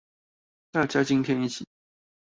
大家今天一起